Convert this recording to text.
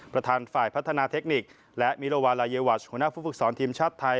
ประธานฝ่ายพัฒนาเทคนิคและมิลวาลาเยวัชหัวหน้าผู้ฝึกสอนทีมชาติไทย